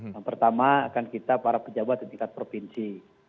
yang pertama akan kita para pejabat di tingkat provinsi